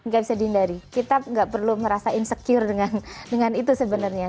gak bisa dihindari kita nggak perlu merasa insecure dengan itu sebenarnya